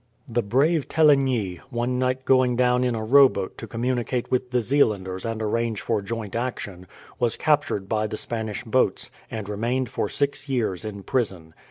The brave Teligny, one night going down in a rowboat to communicate with the Zeelanders and arrange for joint action, was captured by the Spanish boats, and remained for six years in prison.